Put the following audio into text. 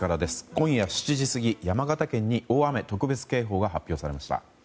今夜７時過ぎ、山形県に大雨特別警報が発表されました。